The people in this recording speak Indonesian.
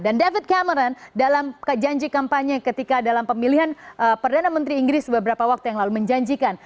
dan david cameron dalam janji kampanye ketika dalam pemilihan perdana menteri inggris beberapa waktu yang lalu menjanjikan